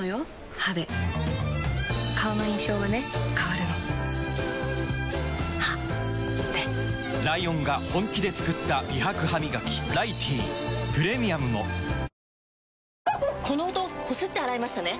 歯で顔の印象はね変わるの歯でライオンが本気で作った美白ハミガキ「ライティー」プレミアムもこの音こすって洗いましたね？